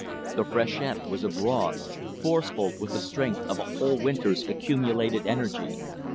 The freshet was abroad, forceful with the strength of a whole winter's accumulated energy.